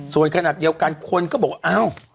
ส่วนขนาดเดียวกันคนก็บอกว่าอ้าว